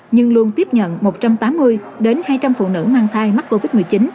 nhưng luôn tiếp nhận một trăm tám mươi đến hai trăm linh phụ nữ mang thai mắc covid một mươi chín